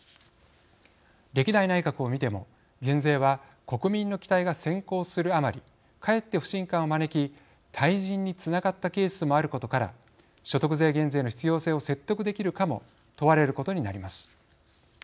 歴代内閣を見ても、減税は国民の期待が先行するあまりかえって不信感を招き退陣につながったケースもあることから所得税減税の必要性を説得できるかも問われることになります。